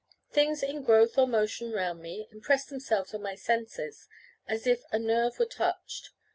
Things in growth or motion round me impressed themselves on my senses, as if a nerve were touched.